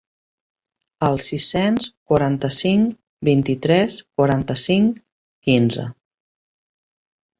Al sis-cents quaranta-cinc vint-i-tres quaranta-cinc quinze.